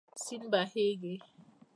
سیند بهېږي.